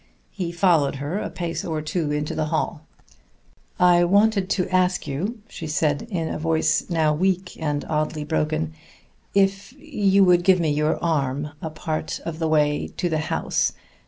He followed her a pace or two into the hall. "I wanted to ask you," she said in a voice now weak and oddly broken, "if you would give me your arm a part of the way to the house.